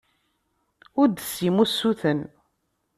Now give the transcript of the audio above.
Ur d-tessim usuten.